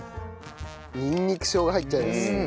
にんにくしょうが入っちゃいます。